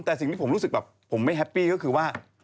แต่สิ่งที่ผมรู้สึกแบบผมไม่แฮปปี้ก็คือว่า